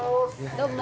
どうも。